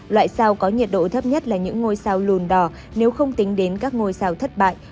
loại sao có nhiệt độ thấp nhất là những ngôi sao lùn đỏ nếu không tính đến các ngôi sao thất bại